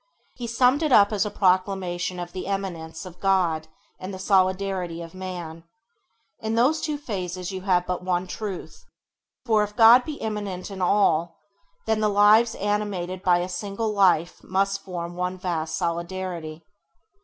He summed it up as the proclamation of the Immanence of God and the Solidarity of Man. In those two phrases you have but one truth, for if God be immanent in all, then the lives animated by a single life must form one vast solidarity.